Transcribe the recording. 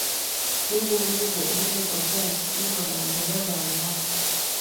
Hivyo ndivyo ilivyotokea msingi wa maendeleo ya Ulaya